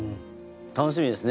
楽しみですね。